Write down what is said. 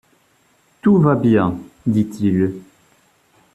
Tout va bien, dit-il.